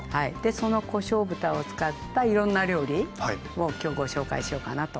そのこしょう豚を使ったいろんな料理を今日ご紹介しようかなと。